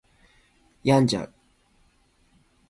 病んじゃう